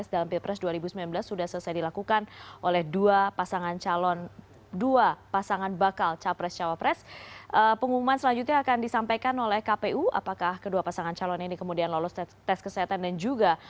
dan ide akan menyampaikan kepada kpu